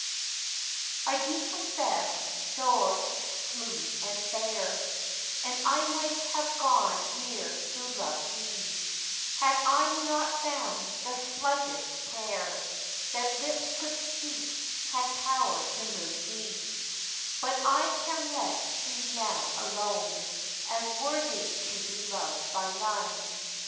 I do confess thou'rt smooth and fair, And I might have gone near to love thee, Had I not found the slightest prayer That lips could speak, had power to move thee; But I can let thee now alone, As worthy to be loved by none.